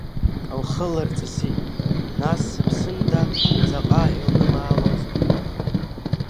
Лхы лырҵысит, нас сыԥсында, заҟа илнымаалозеи!